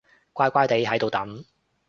乖乖哋喺度等